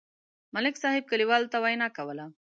ملک صاحب کلیوالو ته وینا کوله.